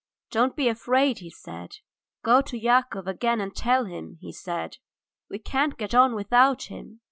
'Don't be afraid,' he said; 'go to Yakov again and tell him,' he said, 'we can't get on without him.'